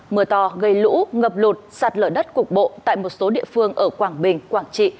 mưa to gây lũ ngập lụt sạt lở đất cục bộ tại một số địa phương ở quảng bình quảng trị